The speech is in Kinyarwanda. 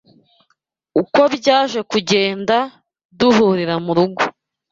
Uko byaje kugenda Duhulira mu rugo